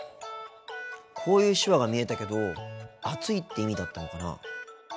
こういう手話が見えたけど暑いって意味だったのかな。